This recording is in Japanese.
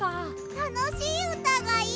たのしいうたがいい！